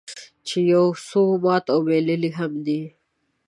چې یو څوک مات او بایللی هم دی.